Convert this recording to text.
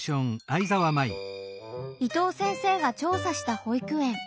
伊藤先生が調査した保育園。